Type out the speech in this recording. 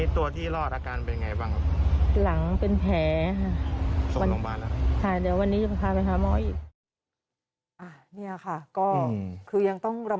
ตัวที่รอดอาการเป็นอย่างไรบ้าง